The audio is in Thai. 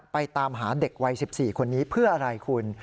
ตามหาเด็กวัย๑๔คนนี้เพื่ออะไรคุณ